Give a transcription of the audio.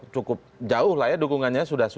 cukup jauh lah ya dukungannya sudah